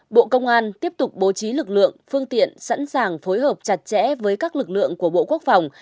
bộ công an tiếp tục bố trí lực lượng phương tiện sẵn sàng phối hợp chặt chẽ với các lực lượng của bộ quốc phòng